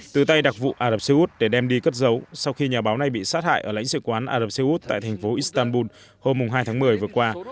từ tay đặc vụ ả rập xê út để đem đi cất giấu sau khi nhà báo này bị sát hại ở lãnh sự quán ả rập xê út tại thành phố istanbul hôm hai tháng một mươi vừa qua